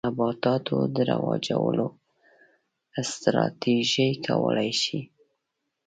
نباتاتو د رواجولو ستراتیژۍ کولای شي.